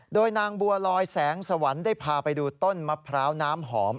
โดยนางบัวลอยแสงสวรรค์ได้พาไปดูต้นมะพร้าวน้ำหอม